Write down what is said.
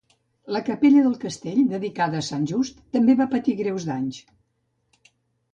La capella del castell, dedicada a Sant Just, també va patir greus danys.